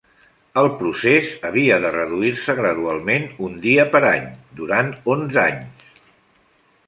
El procés havia de reduir-se gradualment un dia per any, durant onze anys.